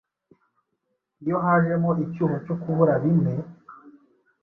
iyo hajemo icyuho cyo kubura bimwe